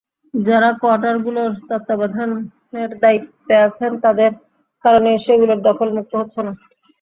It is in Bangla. যাঁরা কোয়ার্টারগুলোর তত্ত্বাবধানের দায়িত্বে আছেন, তাঁদের কারণেই সেগুলো দখলমুক্ত হচ্ছে না।